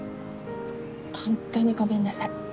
ホントにごめんなさい。